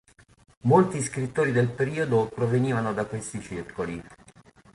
Molti scrittori del periodo provenivano da questi circoli.